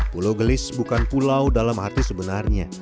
pulau gelis bukan pulau dalam arti sebenarnya